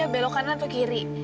belok kanan atau kiri